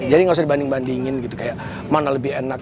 jadi gak usah dibanding bandingin gitu kayak mana lebih enak